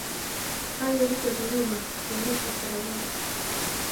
ښه یاري د غلو وه خو په وېش يې سره ورانه کړه.